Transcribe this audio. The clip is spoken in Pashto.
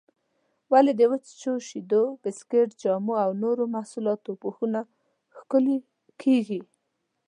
ولې د وچو شیدو، بسکېټ، جامو او نورو محصولاتو پوښونه ښکلي کېږي؟